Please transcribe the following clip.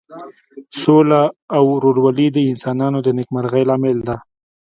سوله او ورورولي د انسانانو د نیکمرغۍ لامل ده.